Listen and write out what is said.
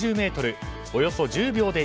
およそ１０秒で